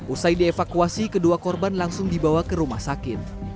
usai dievakuasi kedua korban langsung dibawa ke rumah sakit